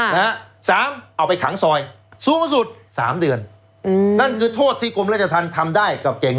นะฮะสามเอาไปขังซอยสูงสุดสามเดือนอืมนั่นคือโทษที่กรมราชธรรมทำได้กับเก่ง